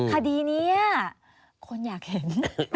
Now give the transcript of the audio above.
คดีนี้คนอยากเห็น